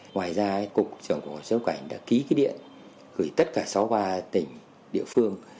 ngoài ra cục trưởng của xuất quảnh đã ký cái điện gửi tất cả sáu ba tỉnh địa phương